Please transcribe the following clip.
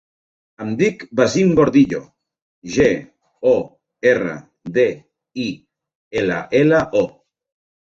Em dic Wasim Gordillo: ge, o, erra, de, i, ela, ela, o.